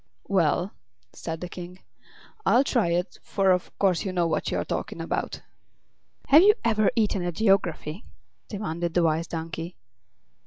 "Well," said the King, "I'll try it, for of course you know what you are talking about." "Have you ever eaten a geography?" demanded the Wise Donkey.